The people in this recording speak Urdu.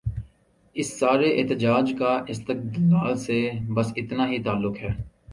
اس سارے احتجاج کا استدلال سے بس اتنا ہی تعلق ہے۔